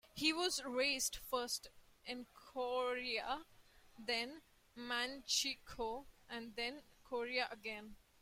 He was raised first in Korea, then Manchukuo, and then Korea again.